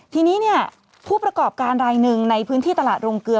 ทีนี้เนี่ยผู้ประกอบการรายหนึ่งในพื้นที่ตลาดโรงเกลือ